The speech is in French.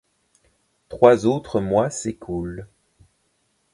Trois autres mois s'écoulent.